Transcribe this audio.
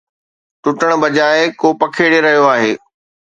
ٽٽڻ بجاءِ ڪو پکيڙي رهيو آهي